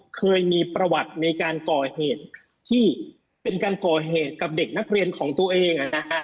เคยมีประวัติในการก่อเหตุที่เป็นการก่อเหตุกับเด็กนักเรียนของตัวเอง